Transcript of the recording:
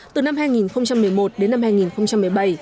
từ năm hai nghìn một mươi một đến năm hai nghìn một mươi bảy